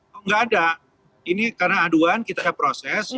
tidak ada ini karena aduan kita proses